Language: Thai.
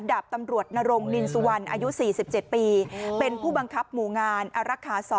ดาบตำรวจนรงนินสุวรรณอายุ๔๗ปีเป็นผู้บังคับหมู่งานอารักษา๒